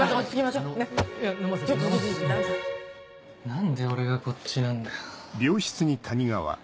何で俺がこっちなんだよ。